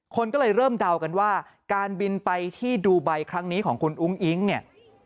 คนก็เลยเริ่มเดากันว่าการบินไปที่ดูไบครั้งนี้ของคุณอุ้งอิ๊งเนี่ย